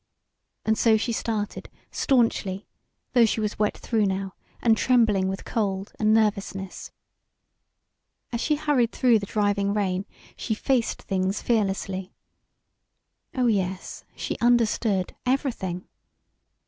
And so she started, staunchly, though she was wet through now, and trembling with cold and nervousness. As she hurried through the driving rain she faced things fearlessly. Oh yes, she understood everything.